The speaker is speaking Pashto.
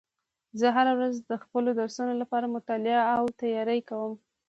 زه هره ورځ د خپلو درسونو لپاره مطالعه او تیاری کوم